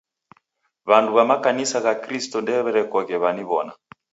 W'andu w'a makanisa gha Kristo ndew'erekoghe w'aniw'ona.